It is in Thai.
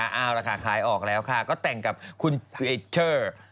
เอาล่ะค่ะขายออกแล้วค่ะก็แต่งกับคุณเอเชอร์